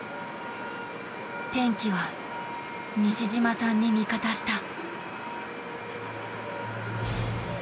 天気は西島さんに味方した。